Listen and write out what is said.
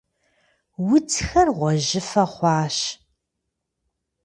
Удзхэр гъуэжьыфэ хъуащ.